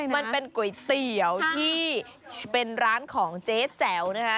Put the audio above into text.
มันเป็นก๋วยเตี๋ยวที่เป็นร้านของเจ๊แจ๋วนะคะ